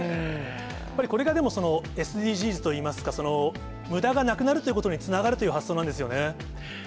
これがでも、そのＳＤＧｓといいますか、そのむだがなくなるということにつながるという発想そうですよね。